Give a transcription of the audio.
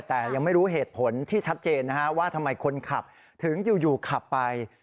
แต่ยังไม่รู้เหตุผลที่ชัดเจนนะฮะว่าทำไมคนขับถึงอยู่ขับไป